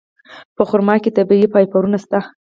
په خرما کې طبیعي فایبرونه شته.